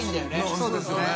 そうですね。